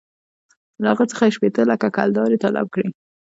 له هغه څخه یې شپېته لکه کلدارې طلب کړې.